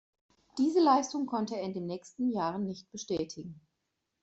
Diese Leistung konnte er in den nächsten Jahren nicht bestätigen.